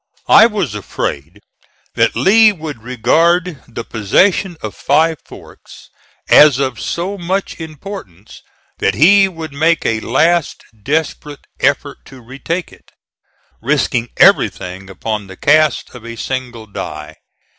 I was afraid that Lee would regard the possession of Five Forks as of so much importance that he would make a last desperate effort to retake it, risking everything upon the cast of a single die.